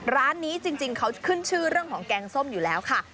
ร้านนี้จริงเขาขึ้นชื่อเรื่องของแกงส้มอยู่แล้วค่ะ